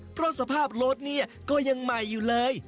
เพราะสภาพรถเนี่ยก็ยังใหม่อยู่เลย